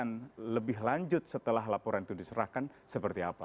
dan lebih lanjut setelah laporan itu diserahkan seperti apa